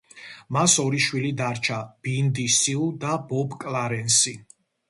მას ორი შვილი დარჩა, ბინდი სიუ და ბობ კლარენსი.